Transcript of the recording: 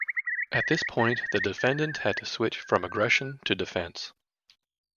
At this point, the defendant had to switch from aggression to defence.